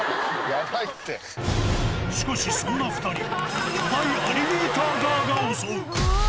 しかし、そんな２人に巨大アリゲーターガーが襲う。